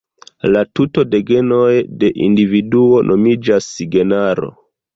La tuto de genoj de individuo nomiĝas genaro.